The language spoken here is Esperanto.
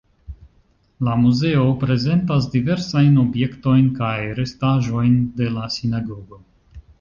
La muzeo prezentas diversajn objektojn kaj restaĵojn de la sinagogo.